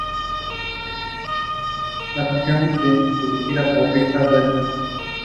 This applies to chain and independent pharmacies but not mail order and specialty pharmacies.